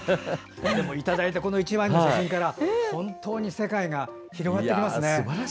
いただいた１枚の写真から本当に世界が広がってきますね。